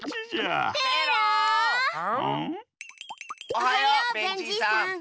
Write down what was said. おはようベンじいさん。